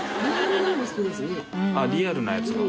リアルなやつが。